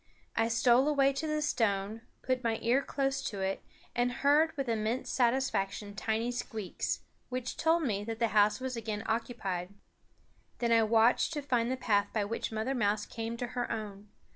I stole away to the stone, put my ear close to it, and heard with immense satisfaction tiny squeaks, which told me that the house was again occupied. Then I watched to find the path by which Mother Mouse came to her own.